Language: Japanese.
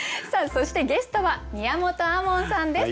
そしてゲストは宮本亞門さんです。